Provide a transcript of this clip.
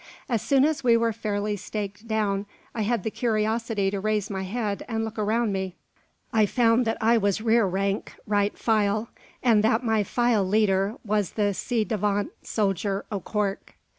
As soon as we were fairly staked down, I had the curiosity to raise my head and look around me. I found that I was "rear rank, right file," and that my file leader was the ci devant soldier O'Cork.